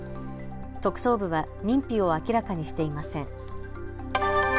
特捜部は認否を明らかにしていません。